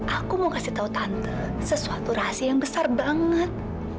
aku mau kasih tau tante sesuatu rahasia yang besar banget